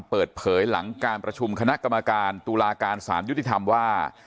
เปิดเผยหลังการประชุมคณะกรรมการตุลาการสารยุติธรรมว่า